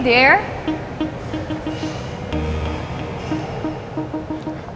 ada apa mel